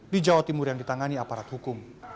di jawa timur yang ditangani aparat hukum